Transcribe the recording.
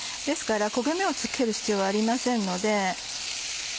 ですから焦げ目をつける必要はありませんので。